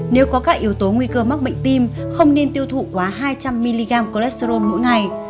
nếu có các yếu tố nguy cơ mắc bệnh tim không nên tiêu thụ quá hai trăm linh mg cholesterol mỗi ngày